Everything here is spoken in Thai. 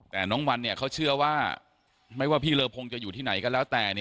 แต่น้องวันเขาเชื่อว่าไม่ว่าพี่เลอพงจะอยู่ที่ไหนก็แล้วแต่